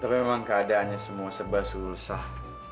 tapi memang keadaannya semua serba suruh sah